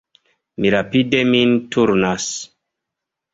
Mi rapide min turnas.